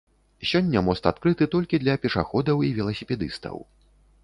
Сёння мост адкрыты толькі для пешаходаў і веласіпедыстаў.